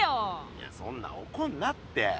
いやそんなおこんなって。